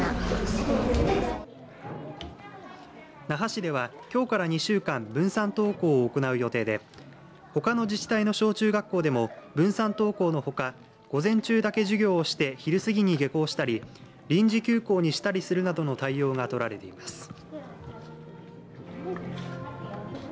那覇市では、きょうから２週間分散登校を行う予定でほかの自治体の小中学校でも分散登校のほか、午前中だけ授業をして昼過ぎに下校したり臨時休校にしたりするなどの対応が取られています。